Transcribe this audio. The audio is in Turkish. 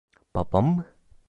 Babam mı?